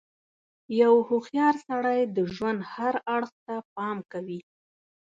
• یو هوښیار سړی د ژوند هر اړخ ته پام کوي.